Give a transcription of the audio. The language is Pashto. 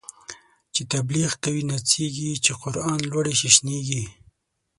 چی تبلیغ کوی نڅیږی، چی قران لولی ششنیږی